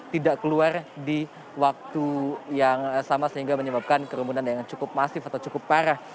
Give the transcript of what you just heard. tidak keluar di waktu yang sama sehingga menyebabkan kerumunan yang cukup masif atau cukup parah